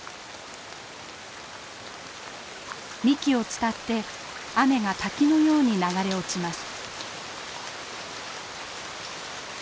幹を伝って雨が滝のように流れ落ちます。